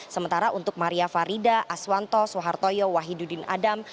sementara untuk maria farida aswanto soehartoyo wahidudin adam